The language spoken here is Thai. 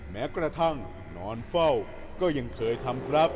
แม้กระทั่งนอนเฝ้าก็ยังเคยทำครับ